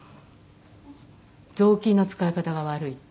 雑巾の使い方が悪いって。